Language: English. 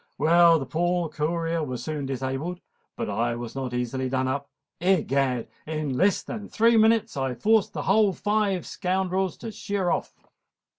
Well, the poor courier was soon disabled; but I was not easily done up. Egad! in less than three minutes I forced the whole five scoundrels to sheer off."